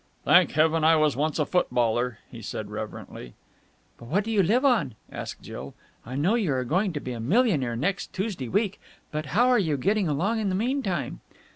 "Thank Heaven I was once a footballer!" he said reverently. "But what do you live on?" asked Jill. "I know you are going to be a millionaire next Tuesday week, but how are you getting along in the meantime?"